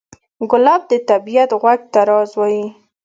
ګلاب د طبیعت غوږ ته راز وایي.